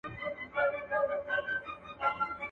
د ژوندي وصال شېبې دي لکه خوب داسي پناه سوې.